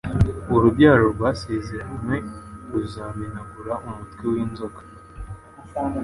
urubyaro rwasezeranywe ruzamenagura umutwe w'inzoka